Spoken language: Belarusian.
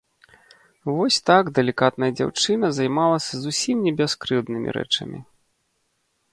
Вось так далікатная дзяўчына займалася зусім не бяскрыўднымі рэчамі.